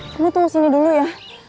kamu tunggu sini dulu ya